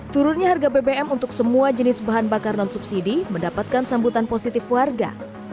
turunnya harga bbm untuk semua jenis bahan bakar non subsidi mendapatkan sambutan positif warga